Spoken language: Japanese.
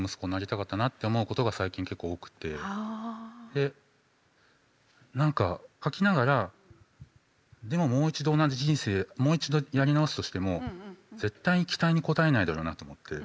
で何か書きながらでももう一度同じ人生もう一度やり直すとしても絶対に期待に応えないだろうなと思って。